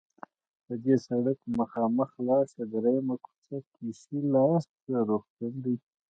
په دې سړک مخامخ لاړ شه، دریمه کوڅه کې ښي لاس ته روغتون ده.